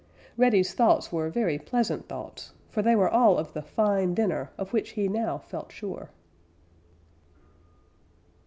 Reddy's thoughts were very pleasant thoughts, for they were all of the fine dinner of which he now felt sure.